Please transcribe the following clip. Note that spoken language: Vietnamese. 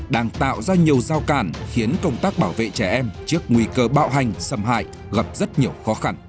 đang tạo ra nhiều giao cản khiến công tác bảo vệ trẻ em trước nguy cơ bạo hành xâm hại gặp rất nhiều khó khăn